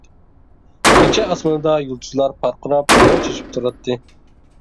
كېچە ئاسمىنىدا يۇلتۇزلار پارقىراپ نۇر چېچىپ تۇراتتى.